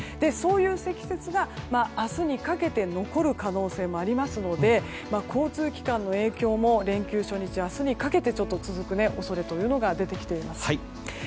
そういう積雪が明日にかけて残る可能性もありますので交通機関の影響も連休初日、明日にかけて続く恐れが出てきています。